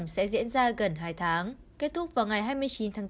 bài trương mỹ lan sẽ diễn ra gần hai tháng kết thúc vào ngày hai mươi chín tháng bốn